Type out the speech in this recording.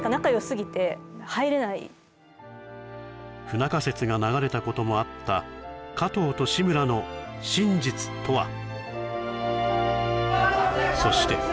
不仲説が流れたこともあった加藤と志村の真実とは？